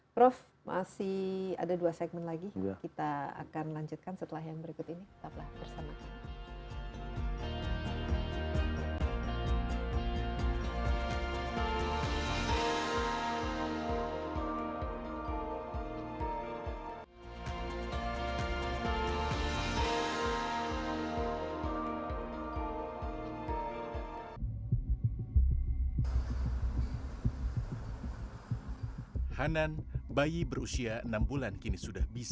prof masih ada dua segmen lagi kita akan lanjutkan setelah yang berikut ini tetaplah bersama kami